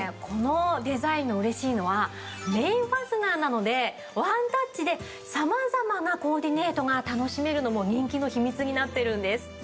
このデザインの嬉しいのは面ファスナーなのでワンタッチでさまざまなコーディネートが楽しめるのも人気の秘密になっているんです。